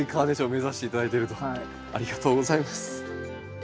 ありがとうございます。